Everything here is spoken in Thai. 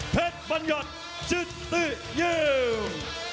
เผ็ดมันหยอดจิตติเยี่ยม